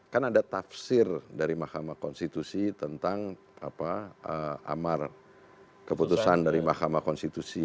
kan ada tafsir dari mahkamah konstitusi tentang amar keputusan dari mahkamah konstitusi